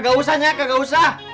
gak usah nyaka gak usah